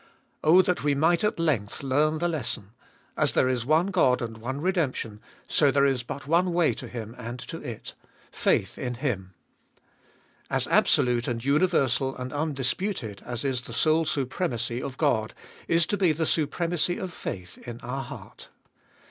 Oh that we might at length learn the lesson: as there is one God, and one redemption, so there is but oneway to Him and to it — faith in Him. As absolute and universal and undisputed as is the sole supremacy of God, is to be the supremacy of faith in our heart.